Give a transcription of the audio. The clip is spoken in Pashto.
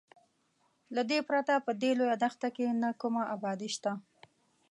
له دې پرته په دې لویه دښته کې نه کومه ابادي شته.